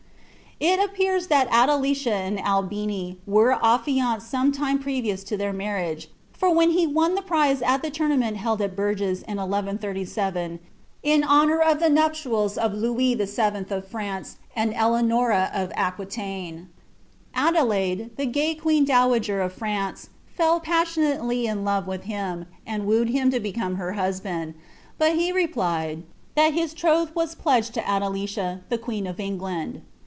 It appears that Adelicia and Albini were alfioneed some time preriouf to liieir marriage ; for when he won the prize at the toumument beM it Bourges in 1 137, in honour of the nuptials of Louis VI I. of France aiul Eteanora of Aquilaine, Adelaide, the gay queen dowager of France, fcU passiunately in love with him, and wooed him to become her bushwuli but lie replied, " that his troth was pledged to Adelicia, the i]ueen of England.'